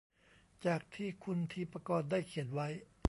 จากที่คุณทีปกรได้เขียนไว้